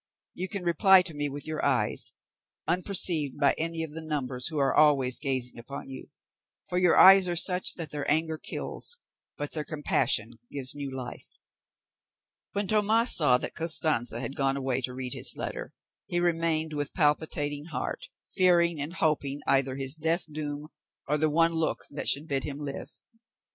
You can reply to me with your eyes, unperceived by any of the numbers who are always gazing upon you; for your eyes are such that their anger kills, but their compassion gives new life." When Tomas saw that Costanza had gone away to read his letter, he remained with a palpitating heart, fearing and hoping either his death doom, or the one look that should bid him live.